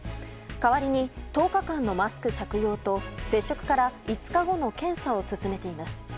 代わりに１０日間のマスク着用と接触から５日後の検査を勧めています。